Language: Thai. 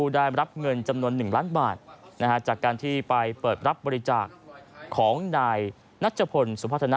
ได้รับเงินจำนวน๑ล้านบาทจากการที่ไปเปิดรับบริจาคของนายนัชพลสุพัฒนะ